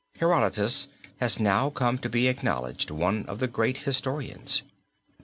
Herodotus has now come to be acknowledged as one of the greatest of historians.